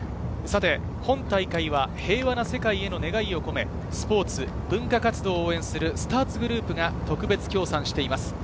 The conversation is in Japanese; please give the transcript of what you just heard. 本大会は平和な世界への願いを込め、スポーツ・文化活動を応援するスターツグループが特別協賛しています。